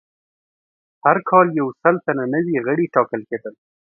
هر کال یو سل تنه نوي غړي ټاکل کېدل